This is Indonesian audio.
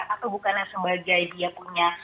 atau bukan yang sebagai dia punya